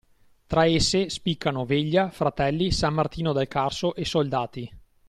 Tra esse spiccano Veglia, Fratelli, San Martino del Carso e Soldati.